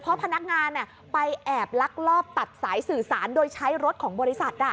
เพราะพนักงานไปแอบลักลอบตัดสายสื่อสารโดยใช้รถของบริษัท